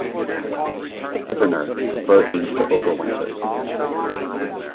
"Hiverner" the verb means to overwinter.